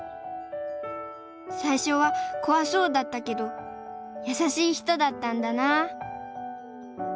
さいしょはこわそうだったけどやさしい人だったんだなあ。